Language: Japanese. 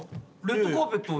『レッドカーペット』